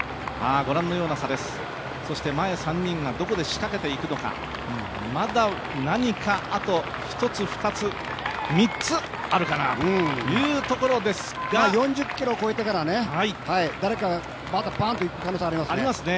前の３人がどこで仕掛けていくのかまだ何かあと、１つ、２つ、３つ、あるかなというところですが４０ｋｍを超えてから誰かがパンと行く可能性がありますね。